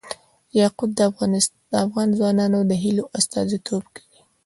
یاقوت د افغان ځوانانو د هیلو استازیتوب کوي.